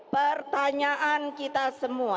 pertanyaan kita semua